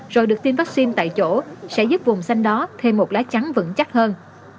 rồi được tiêm vaccine tại chỗ sẽ giúp vùng xanh đó thêm một lá chắn vững chắc hơn